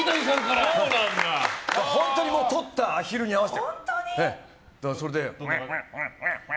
本当に撮ったアヒルに合わせて。